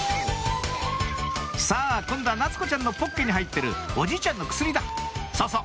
さぁ今度は夏子ちゃんのポッケに入ってるおじいちゃんの薬だそうそう！